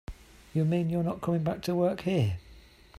You mean you're not coming back to work here?